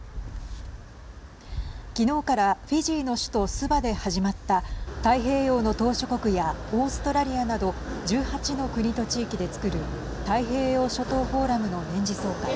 きのうからフィジーの首都スバで始まった太平洋の島しょ国やオーストラリアなど１８の国と地域でつくる太平洋諸島フォーラムの年次総会。